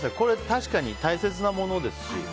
確かに大切なものですし。